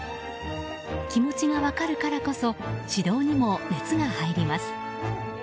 気持ちが分かるからこそ指導にも熱が入ります。